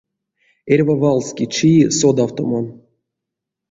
Эрьва валске чии содавтомон.